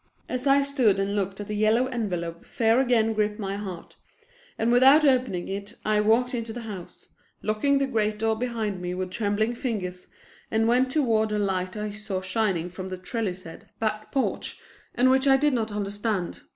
As I stood and looked at the yellow envelope fear again gripped my heart, and without opening it I walked into the house, locking the great door behind me with trembling fingers, and went toward a light I saw shining from the trellised back porch and which I did not understand.